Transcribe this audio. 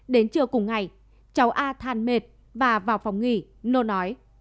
đến trưa cùng ngày cháu a than mệt và vào phòng nghỉ nôn ói